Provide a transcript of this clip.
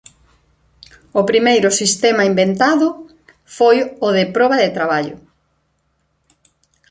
O primeiro sistema inventado foi o de proba de traballo.